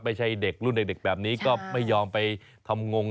ไม่ใช่เด็กรุ่นเด็กแบบนี้ก็ไม่ยอมไปทำงง